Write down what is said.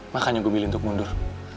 makanya gue milih untuk mundur